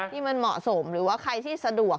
ที่มันเหมาะสมหรือว่าใครที่สะดวก